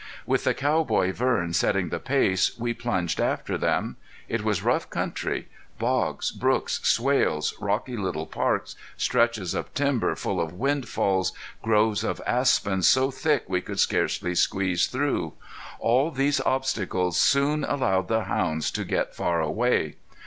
With the cowboy Vern setting the pace we plunged after them. It was rough country. Bogs, brooks, swales, rocky little parks, stretches of timber full of windfalls, groves of aspens so thick we could scarcely squeeze through all these obstacles soon allowed the hounds to get far away.